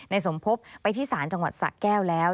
นายสมภพไปที่สารจังหวัดสะแก้วแล้ว